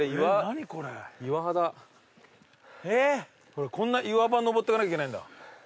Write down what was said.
これこんな岩場登ってかなきゃいけないんだ。